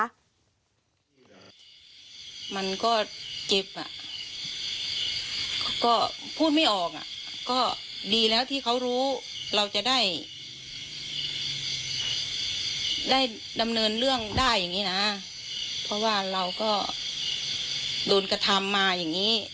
มันก็เจ็บอ่ะก็พูดไม่ออกอ่ะก็ดีแล้วที่เขารู้เราจะได้ดำเนินเรื่องได้อย่างนี้นะเพราะว่าเราก็โดนกระทำมาอย่างนี้